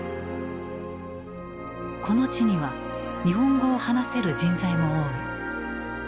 この地には日本語を話せる人材も多い。